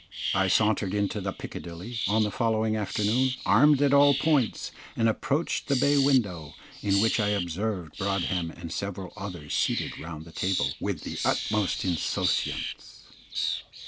I sauntered into "the Piccadilly" on the following afternoon, armed at all points, and approached the bay window, in which I observed Broadhem and several others seated round the table, with the utmost insouciance.